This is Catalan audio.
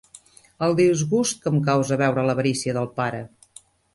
El disgust que em causa veure l'avarícia del pare!